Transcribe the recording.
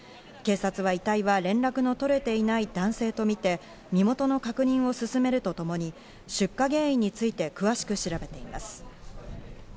警察は遺体は連絡の取れていない男性とみて、身元の確認を進めるとともに、出火原因について詳しく調べています。